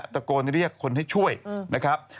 ตะโกนเรียกคนให้ช่วยนะครับ